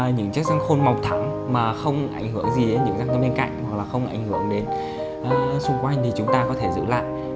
những chiếc răng khôn mọc thẳng thắm mà không ảnh hưởng gì đến những răng bên cạnh hoặc là không ảnh hưởng đến xung quanh thì chúng ta có thể giữ lại